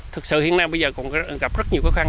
thực sự hiện nay bây giờ còn gặp rất nhiều cái khó khăn